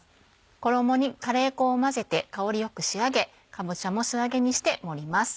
衣にカレー粉を混ぜて香りよく仕上げかぼちゃも素揚げにして盛ります。